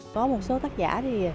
có một số tác giả